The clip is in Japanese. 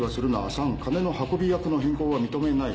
３金の運び役の変更は認めない。